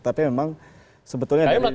tapi memang sebetulnya dari data sembilan puluh